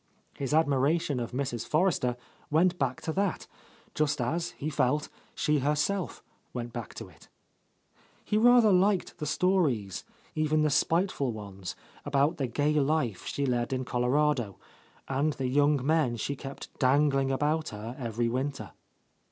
His admiration of Mrs. Forrester went back to that, just as, he felt, she herself went back to it. He rather liked the stories, even the spiteful ones, about ^78— A Lost Lady the gay life she led in Colorado, and the young men she kept dangling about her every winter.